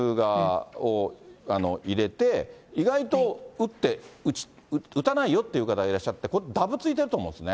入れて、意外と打って、打てないよという方、いらっしゃって、だぶついていると思うんですよね。